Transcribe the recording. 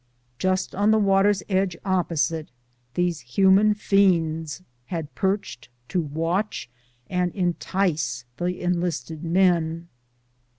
Just on the water's edge opposite, these human fiends had perched to watcli and entice the enlisted men.